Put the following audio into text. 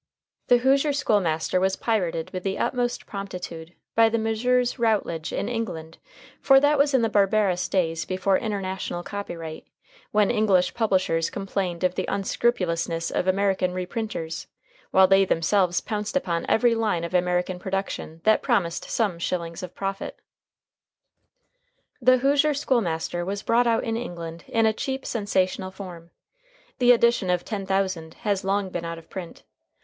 "The Hoosier School Master" was pirated with the utmost promptitude by the Messrs. Routledge, in England, for that was in the barbarous days before international copyright, when English publishers complained of the unscrupulousness of American reprinters, while they themselves pounced upon every line of American production that promised some shillings of profit. "The Hoosier School Master" was brought out in England in a cheap, sensational form. The edition of ten thousand has long been out of print.